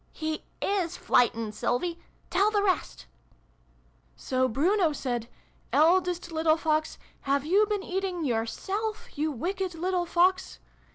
" He is flightened, Sylvie ! Tell the rest !"" So Bruno said ' Eldest little Fox, have you been eating yoiirself, you wicked little Fox